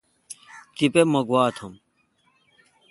تیپہ مہ گوا توم۔